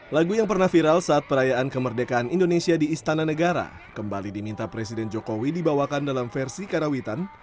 lagu yang pernah viral saat perayaan kemerdekaan indonesia di istana negara kembali diminta presiden jokowi dibawakan dalam versi karawitan